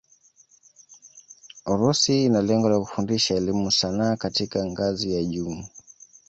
Urusi ina lengo la kufundisha elimu sanaa katika ngazi ya juu